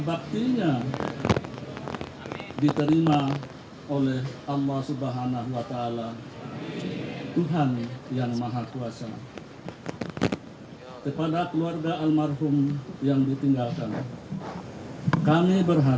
bersiapan pengusungan jenazah